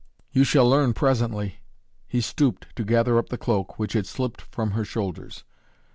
"You shall learn presently." He stooped, to gather up the cloak, which had slipped from her shoulders.